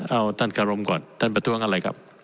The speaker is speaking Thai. เอาท่านกรมก่อนท่านประท้วงอะไรครับ